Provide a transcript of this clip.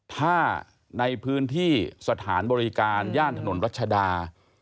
ถ้าในพื้นที่สถานบริการย่านถนนรัชดา